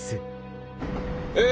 え